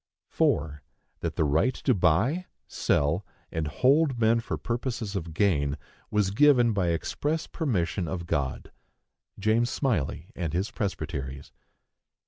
4. That the right to buy, sell, and hold men for purposes of gain, was given by express permission of God. (James Smylie and his Presbyteries.)